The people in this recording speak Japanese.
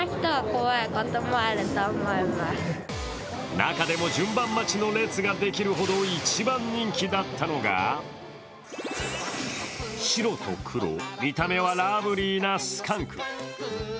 中でも順番待ちの列ができるほど一番人気だったのが白と黒、見た目はラブリーなスカンク。